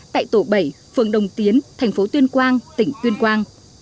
tại tổ bảy phường đồng tiến thành phố tuyên quang tỉnh tuyên quang